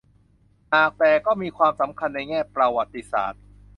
หากแต่ก็มีความสำคัญในแง่ประวัติศาสตร์